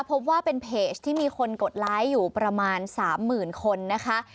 พบว่าเป็นเพจที่มีคนกดไลค์อยู่ประมาณ๓๐๐๐คนนะคะ